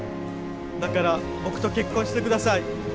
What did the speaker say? だから僕と結婚してください。